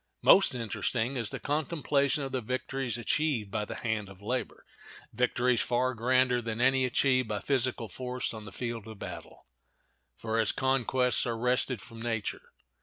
Most interesting is the contemplation of the victories achieved by the hand of labor—victories far grander than any achieved by physical force on the field of battle; for its conquests are wrested from nature.